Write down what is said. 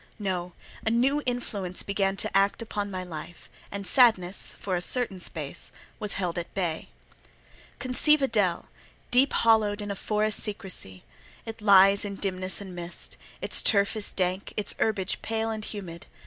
No: a new influence began to act upon my life, and sadness, for a certain space, was held at bay. Conceive a dell, deep hollowed in forest secresy; it lies in dimness and mist: its turf is dank, its herbage pale and humid.